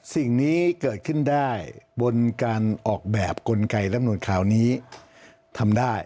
สิ่งนี้เกิดขึ้นได้บนการออกแบบกลไกรลำนูนคราวนี้ทำได้